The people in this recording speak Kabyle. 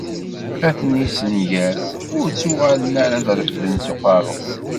Ad ten-issenger, ur ttuɣalen ara ad refden s uqerru.